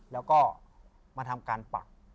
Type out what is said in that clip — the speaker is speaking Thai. แล้วก็มาทำการปัก